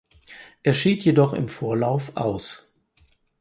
Er schied jedoch im Vorlauf aus.